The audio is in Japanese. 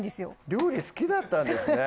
料理好きだったんですね